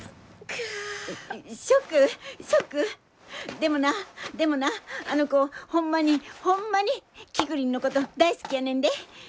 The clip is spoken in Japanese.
でもなでもなあの子ホンマにホンマにキクリンのこと大好きやねんで！